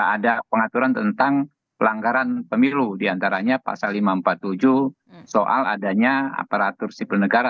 ada pengaturan tentang pelanggaran pemilu diantaranya pasal lima ratus empat puluh tujuh soal adanya aparatur sipil negara